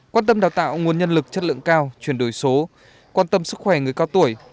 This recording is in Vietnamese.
quan tâm đào tạo nguồn nhân lực chất lượng cao chuyển đổi số quan tâm sức khỏe người cao tuổi